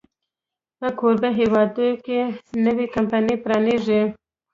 په کوربه هېواد کې نوې کمپني پرانیزي.